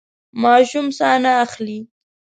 ماشوم ساه نه اخلي.